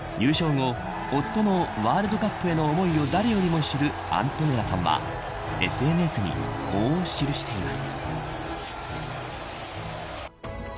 後夫のワールドカップへの思いを誰よりも知るアントネラさんはＳＮＳにこう記しています。